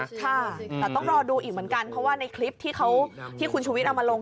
ค่ะแต่ต้องรอดูอีกเหมือนกันเพราะว่าในคลิปที่คุณชุวิตเอามาลง